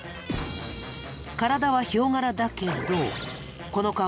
体はヒョウ柄だけどこの顔。